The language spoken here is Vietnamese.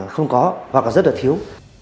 không có hoặc là rất là thiếu